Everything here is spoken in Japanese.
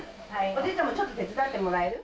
おじいちゃんもちょっと手伝ってもらえる？